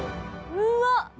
うわっ！